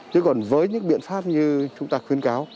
chứ còn với những biện pháp như chúng ta khuyến cáo